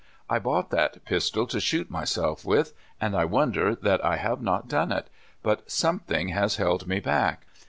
I bought that pistol to shoot myself with, and I won der that I have not done it; but something has held me back."